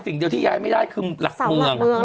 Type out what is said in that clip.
สิ่งเดียวที่ย้ายไม่ได้คือหลักเมือง